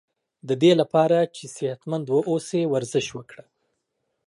ددی لپاره چی صحت مند و اوسی ورزش وکړه